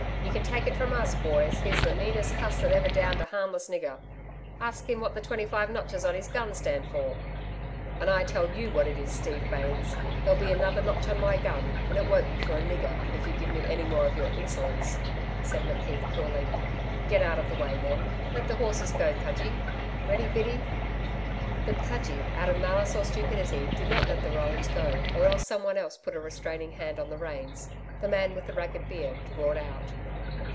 You can take it from us, boys, he's the meanest cuss that ever downed a harmless nigger.... Ask him what the twenty five notches on his gun stand for?' 'And I tell YOU what it is, Steve Baines. There'll be another notch on my gun, and it won't be for a nigger, if you give me any more of your insolence,' said McKeith coolly. 'Get out of the way, men. Let the horses go, Cudgee. Ready, Biddy?' But Cudgee, out of malice or stupidity, did not let the roans go or else someone else put a restraining hand on the reins. The man with the ragged beard roared out.